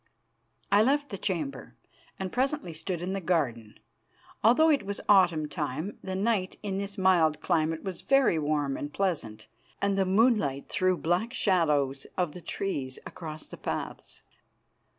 I left the chamber, and presently stood in the garden. Although it was autumn time, the night in this mild climate was very warm and pleasant, and the moonlight threw black shadows of the trees across the paths.